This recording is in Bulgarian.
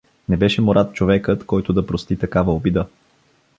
Не беше Мурад човекът, който да прости такава обида.